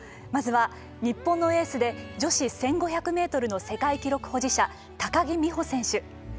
まずは日本のエースで女子１５００メートルの世界記録保持者高木美帆選手。